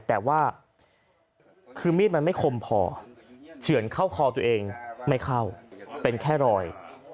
แต่ว่าคือมีดมันไม่คมพอเฉือนเข้าคอตัวเองไม่เข้าเป็นแค่รอย